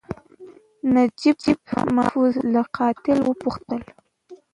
نجیب محفوظ له قاتل وپوښتل.